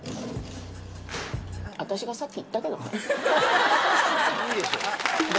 私がさっき言ったけどね。